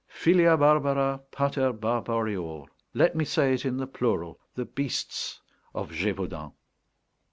Filia barbara pater barbarior. Let me say it in the plural: the Beasts of Gévaudan.